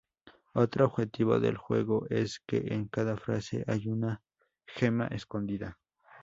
Otro objetivo del juego es que en cada fase hay una "gema" escondida.